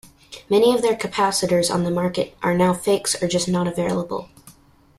Many of their capacitors on the market are now fakes or just not available.